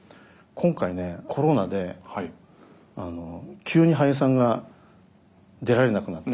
今回ねコロナで急に俳優さんが出られなくなる。